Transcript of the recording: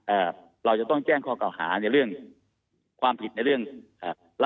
เอ่อเราจะต้องแจ้งข้อเก่าหาในเรื่องความผิดในเรื่องอ่า